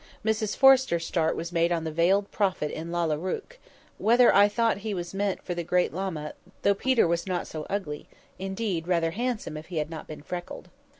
Mrs Forrester's start was made on the veiled prophet in Lalla Rookh—whether I thought he was meant for the Great Lama, though Peter was not so ugly, indeed rather handsome, if he had not been freckled.